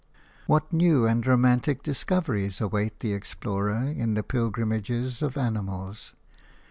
What new and romantic discoveries await the explorer in the pilgrimages of animals!